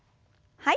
はい。